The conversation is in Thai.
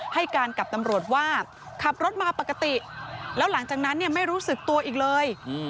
ให้การกับตำรวจว่าขับรถมาปกติแล้วหลังจากนั้นไม่รู้สึกตัวอีกเลย